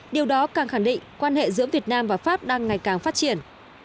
điều đó càng khẳng định quan hệ giữa việt nam và pháp đang ngày càng phát triển